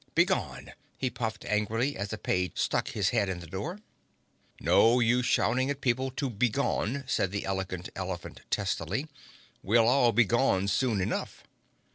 Begone!" he puffed angrily, as a page stuck his head in the door. "No use shouting at people to begone," said the Elegant Elephant testily. "We'll all begone soon enough."